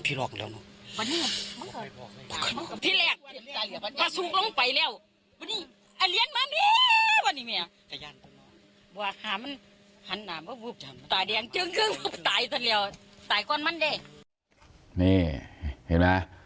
นี่เห็นไหม